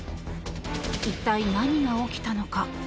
一体、何が起きたのか。